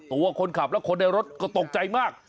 ตัวคนขับและคนในรถก็ตกใจมาก